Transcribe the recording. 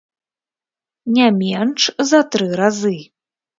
Не менш за тры разы.